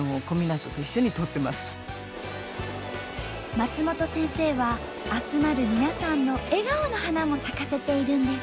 松本先生は集まる皆さんの笑顔の花も咲かせているんです。